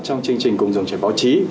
trong chương trình cùng dòng trải báo chí